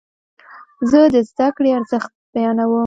زه د زده کړې ارزښت بیانوم.